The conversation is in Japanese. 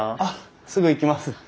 あっすぐ行きます。